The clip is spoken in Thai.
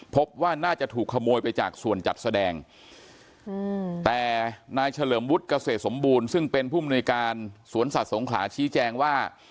พบว่าน่าจะถูกขโมยไปจากส่วนจัดแสดงแต่นายเฉลิมวุฒิเกษตรสมบูรณ์ซึ่งเป็นผู้มนุยการสวนสัตว์สงขลาชี้แจงว่า